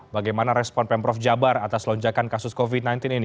bagaimana respon pemprov jabar atas lonjakan kasus covid sembilan belas ini